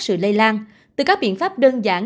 sự lây lan từ các biện pháp đơn giản